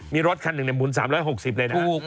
มีรถคันหนึ่งหมุน๓๖๐เลยนะ